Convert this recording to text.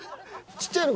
ちっちゃいの。